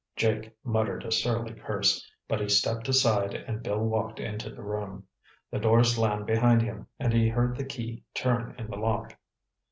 Jake muttered a surly curse, but he stepped aside and Bill walked into the room. The door slammed behind him and he heard the key turn in the lock.